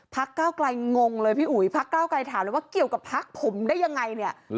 ก้าวไกลงงเลยพี่อุ๋ยพักเก้าไกลถามเลยว่าเกี่ยวกับพักผมได้ยังไงเนี่ย